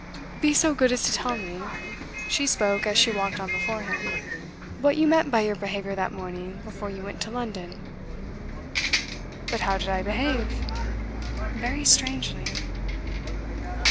'Be so good as to tell me,' she spoke as she walked on before him, 'what you meant by your behaviour that morning before you went to London.' 'But how did I behave?' 'Very strangely.